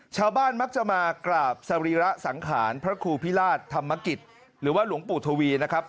ชาวบ้านมักจะมากราบสรีระสังขารพระครูพิราชธรรมกิจหรือว่าหลวงปู่ทวีนะครับ